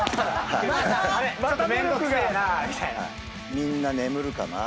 みんな眠るかな？